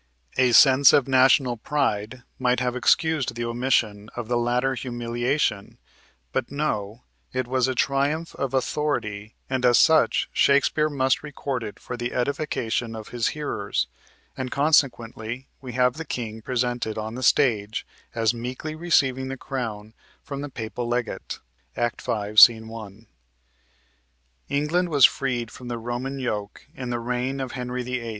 A sense of national pride might have excused the omission of the latter humiliation, but no, it was a triumph of authority, and as such Shakespeare must record it for the edification of his hearers, and consequently we have the king presented on the stage as meekly receiving the crown from the papal legate (Act 5, Sc. 1). England was freed from the Roman yoke in the reign of Henry VIII.